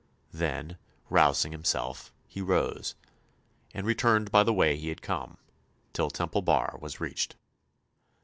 Then, rousing himself, he rose, and returned by the way he had come, until Temple Bar was reached.